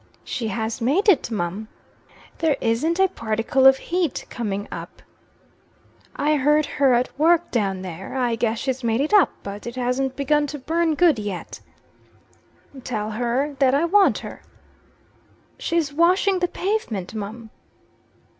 "She has made it, mum." "There isn't a particle of heat coming up." "I heard her at work down there. I guess she's made it up, but it hasn't began to burn good yet." "Tell her that I want her." "She's washing the pavement, mum."